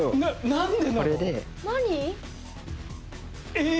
何で？